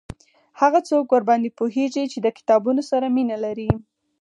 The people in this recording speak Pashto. هغه څوک ورباندي پوهیږي چې د کتابونو سره مینه لري